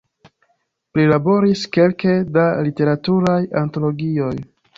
Prilaboris kelke da literaturaj antologioj.